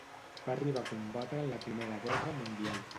Va arribar a combatre en la Primera Guerra Mundial.